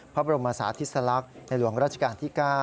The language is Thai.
พระบรมศาธิสลักษณ์ในหลวงราชการที่๙